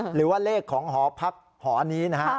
หรือว่าเลขของหอพักหอนี้นะฮะ